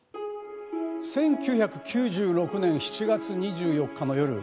１９９６年７月２４日の夜